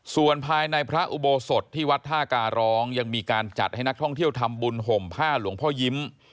ส่วนภายในพระอุโบสถที่วัดท่าการร้องยังมีการจัดให้นักท่องเที่ยวทำบุญห่มผ้าหลวงพ่อยิ้ม